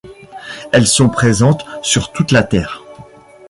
Elles sont présentes sur toute la Terre.